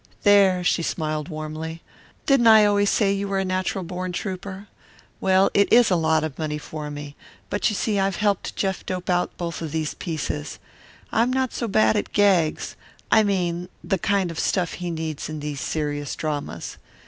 "There," she smiled warmly, "didn't I always say you were a natural born trouper? Well, it is a lot of money for me, but you see I've helped Jeff dope out both of these pieces. I'm not so bad at gags I mean the kind of stuff he needs in these serious dramas.